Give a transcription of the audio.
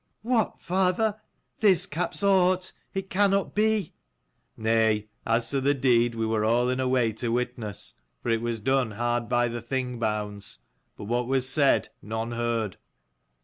"What, father ? this caps aught 1 It cannot be." " Nay; as to the deed we were all in a way to witness ; for it was done hard by the Thing bounds. But what was said none heard."